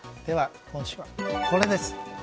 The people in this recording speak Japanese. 今週はこれです。